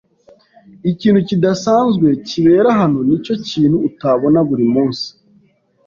Ikintu kidasanzwe kibera hano. Nicyo kintu utabona buri munsi.